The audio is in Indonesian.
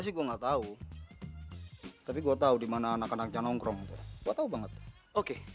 sih gua enggak tahu tapi gua tahu dimana anak anaknya nongkrong gua tahu banget oke